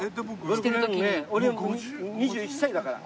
俺２１歳だから。